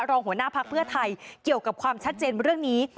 รองหัวหน้าพักเพื่อไทยเกี่ยวกับความชัดเจนเรื่องนี้